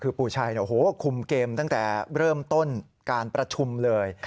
คือปู่ชัยคุมเกมตั้งแต่เริ่มต้นการประชุมเลย